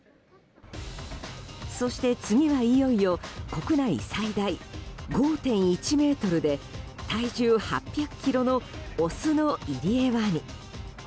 そして、次はいよいよ国内最大５．１ｍで体重８００ｋｇのオスのイリエワニ。